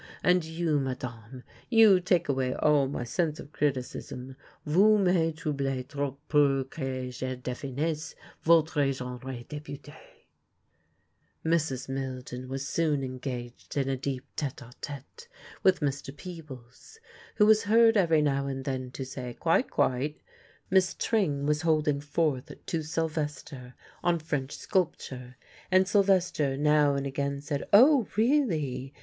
And you, madame, you take away all my sense of criticism. 'Vous me troublez trop pour que je definisse votre genre de beaute.'" Mrs. Milden was soon engaged in a deep tete a tete with Mr. Peebles, who was heard every now and then to say, "Quite, quite," Miss Tring was holding forth to Silvester on French sculpture, and Silvester now and again said: "Oh! really!"